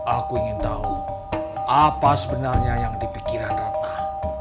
aku ingin tahu apa sebenarnya yang dipikiran ratna